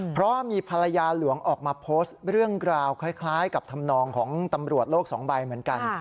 เพราะว่ามีภรรยาหลวงออกมาโพสต์เรื่องราวคล้ายกับธรรมนองของตำรวจโลกสองใบเหมือนกัน